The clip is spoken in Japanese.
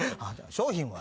商品は？